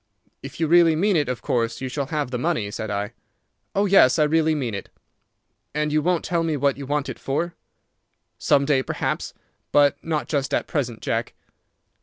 "'If you really mean it, of course you shall have the money,' said I. "'Oh, yes, I really mean it.' "'And you won't tell me what you want it for?' "'Some day, perhaps, but not just at present, Jack.